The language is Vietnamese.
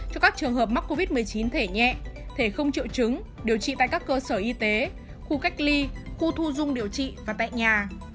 cho các trường hợp mắc covid một mươi chín thể nhẹ thể không triệu chứng điều trị tại các cơ sở y tế khu cách ly khu thu dung điều trị và tại nhà